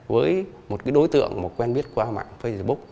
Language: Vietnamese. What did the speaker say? với một cái đối tượng mà quen biết qua mạng facebook